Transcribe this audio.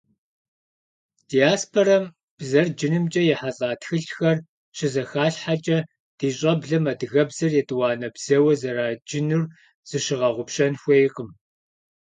Диаспорэм бзэр джынымкӀэ ехьэлӀа тхылъхэр щызэхалъхьэкӀэ, ди щӀэблэм адыгэбзэр етӀуанэ бзэуэ зэраджынур зыщыгъэгъупщэн хуейкъым.